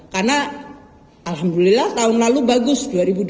karena alhamdulillah tahun lalu bagus dua ribu dua puluh tiga